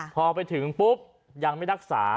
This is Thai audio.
พอไปถึงปุ๊บยังไม่รักษา